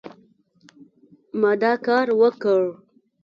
ما دا کار وکړ